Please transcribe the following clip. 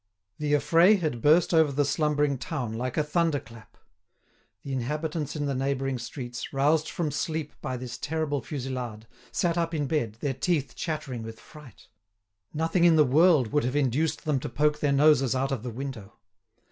The affray had burst over the slumbering town like a thunderclap. The inhabitants in the neighbouring streets, roused from sleep by this terrible fusillade, sat up in bed, their teeth chattering with fright. Nothing in the world would have induced them to poke their noses out of the window.